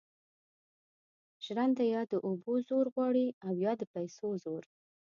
ژرنده یا د اوبو زور غواړي او یا د پیسو زور.